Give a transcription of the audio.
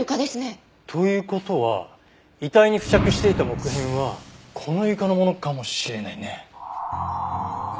という事は遺体に付着していた木片はこの床のものかもしれないね。